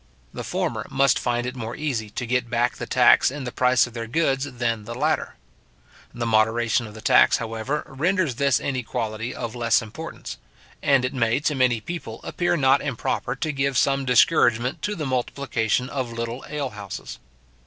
The former must find it more easy to get back the tax in the price of their goods than the latter. The moderation of the tax, however, renders this inequality of less importance; and it may to many people appear not improper to give some discouragement to the multiplication of little ale houses.